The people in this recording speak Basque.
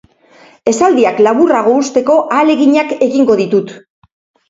Esaldiak laburrago uzteko ahaleginak egingo ditut.